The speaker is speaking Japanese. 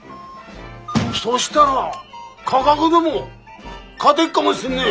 そしたら価格でも勝でっかもしんねえ。